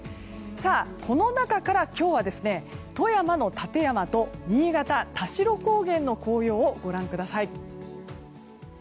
この中から今日は富山の立山と新潟、田代高原の紅葉をご覧ください。